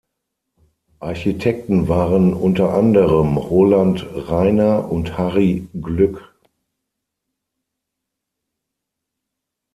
Architekten waren unter anderem Roland Rainer und Harry Glück.